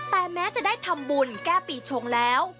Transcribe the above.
แต่แม้จะได้ทำบุญแก้ปีชงแล้ว